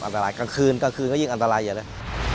อันตรายกลางคืนกลางคืนก็ยิ่งอันตรายเยอะเลย